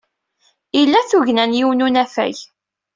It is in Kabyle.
Ila tugna n yiwen n unafag.